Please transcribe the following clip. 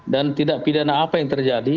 dan tidak pidana apa yang terjadi